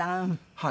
はい。